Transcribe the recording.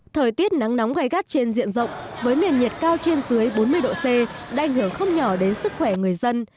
thời tiết nắng nóng gai gắt trên diện rộng với nền nhiệt cao trên dưới bốn mươi độ c đã ảnh hưởng không nhỏ đến sức khỏe người dân